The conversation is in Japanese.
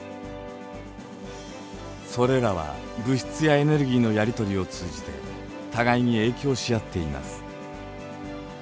それらは物質やエネルギーのやり取りを通じて互いに影響し合っています。